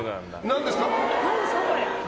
何ですか、これ。